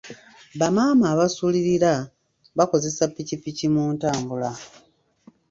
Bamaama abasulirira bakozesa ppikipiki mu ntambula.